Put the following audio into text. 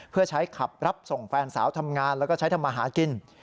เพื่อใช้ขับรับส่งแฟนสาวทำงานแล้วก็ใช้ทำมาหากิน